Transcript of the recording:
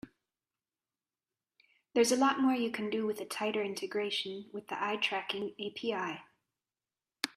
There's a lot more you can do with a tighter integration with the eye tracking API.